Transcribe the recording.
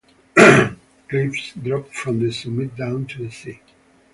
Cliffs drop from the summit down to the sea.